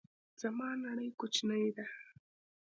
زما نړۍ کوچنۍ ده